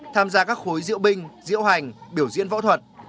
tham gia các khối diễu binh diễu hành biểu diễn võ thuật